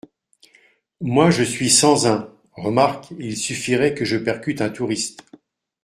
moi je suis sans un. Remarque, il suffirait que je percute un touriste